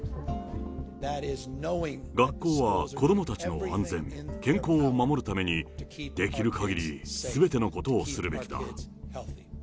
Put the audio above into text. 学校は子どもたちの安全、健康を守るために、できるかぎり、すべてのことをするべきだ。